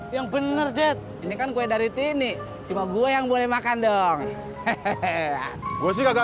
yang bener net ini kan kue dari di sini cuma gue yang boleh makan dong hehehe gue sih agak